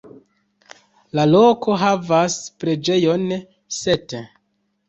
La loko havas preĝejon „St.